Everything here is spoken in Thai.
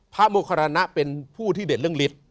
โมคารณะเป็นผู้ที่เด่นเรื่องฤทธิ์